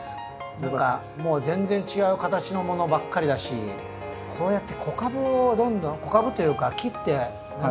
何かもう全然違う形のものばっかりだしこうやって子株をどんどん子株っていうか切って何て言うんだっけ？